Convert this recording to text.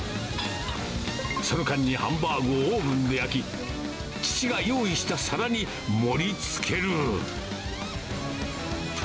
その間にハンバーグをオーブンで焼き、父が用意した皿に盛りつける。